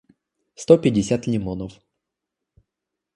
сто пятьдесят лимонов